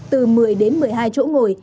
từ một mươi đến một mươi hai chỗ ngồi